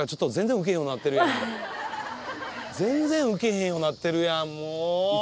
全然ウケへんようになってるやんもう！